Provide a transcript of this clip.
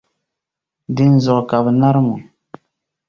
Dinzuɣu, ka bɛ narim o.